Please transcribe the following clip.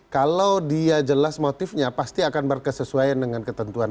kalau dia jelas motifnya pasti akan berkesesuaian dengan ketentuan